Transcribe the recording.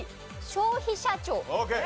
消費者庁。